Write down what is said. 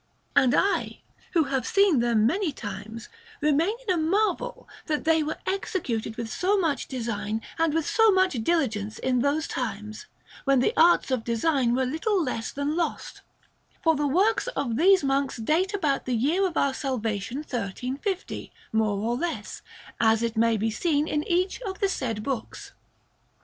And I, who have seen them many times, remain in a marvel that they were executed with so much design and with so much diligence in those times, when the arts of design were little less than lost; for the works of these monks date about the year of our salvation 1350, more or less, as it may be seen in each of the said books.